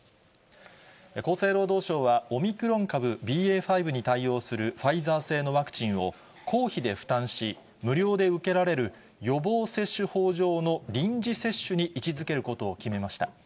厚生労働省は、オミクロン株ＢＡ．５に対応するファイザー製のワクチンを、公費で負担し、無料で受けられる予防接種法上の臨時接種に位置づけることを決めました。